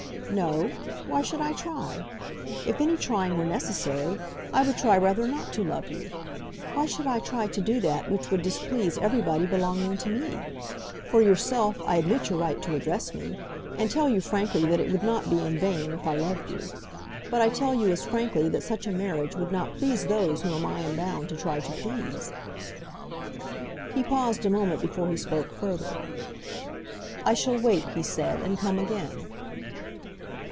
"No; why should I try? If any trying were necessary, I would try rather not to love you. Why should I try to do that which would displease everybody belonging to me? For yourself, I admit your right to address me, and tell you frankly that it would not be in vain, if I loved you. But I tell you as frankly that such a marriage would not please those whom I am bound to try to please." He paused a moment before he spoke further. "I shall wait," he said, "and come again."